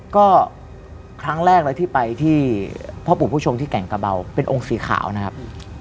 ก็ครั้งแรกเลยที่ไปที่พ่อปู่ผู้ชมที่แก่งกระเบาเป็นองค์สีขาวนะครับ